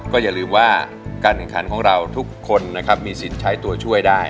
ก็อย่าลืมว่าการแข่งขันของเราทุกคนนะครับมีสิทธิ์ใช้ตัวช่วยได้